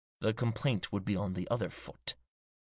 The complaint would be on the other foot."